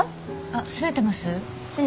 あっすねてます？